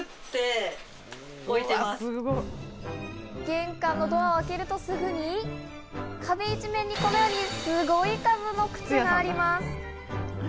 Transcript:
玄関のドアを開けるとすぐに、壁一面にこのようにすごい数の靴があります。